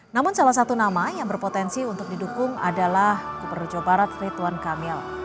namun salah satu nama yang berpotensi untuk didukung adalah gubernur jawa barat rituan kamil